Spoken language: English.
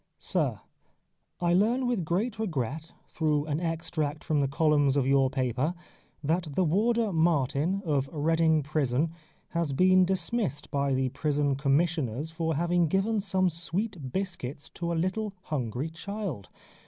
SIR, I learn with great regret, through an extract from the columns of your paper, that the warder Martin, of Reading Prison, has been dismissed by the Prison Commissioners for having given some sweet biscuits to a little hungry child.